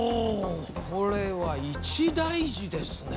これは一大事ですね